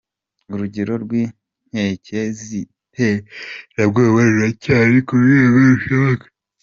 Urugero rw'inkeke z'iterabwoba ruracyari ku rwego "rushoboka".